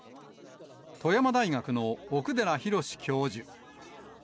富山大学の奥寺敬教授。